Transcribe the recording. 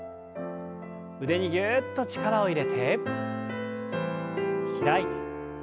腕にぎゅっと力を入れて開いて。